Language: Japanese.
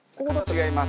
違います。